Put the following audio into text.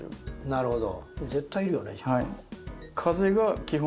なるほど。